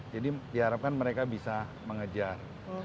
jadi diharapkan mereka bisa mengejar